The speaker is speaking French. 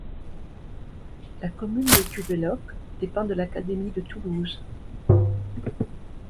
La commune de Jû-Belloc dépend de l'académie de Toulouse.